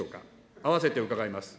あわせて伺います。